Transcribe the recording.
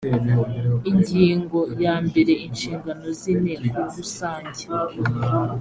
ingingo ya mbere inshingano z inteko rusange